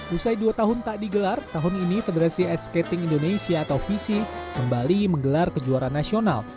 usai dua tahun tak digelar tahun ini federasi ice skating indonesia atau visi kembali menggelar kejuaraan nasional